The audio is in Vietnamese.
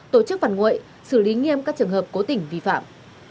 tổ chức phản nguội xử lý nghiêm các trường hợp cố tình vi phạm